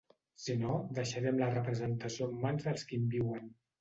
Si no, deixarem la representació en mans dels qui en viuen.